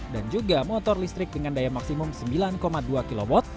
dan juga motor listrik dengan daya maksimum sembilan dua kw